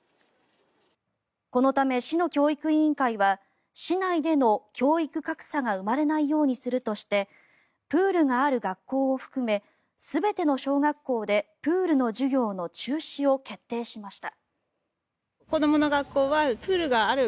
このため市の教育委員会は市内での教育格差が生まれないようにするとしてプールがある学校を含め全ての小学校でプールの授業の中止を決定しました。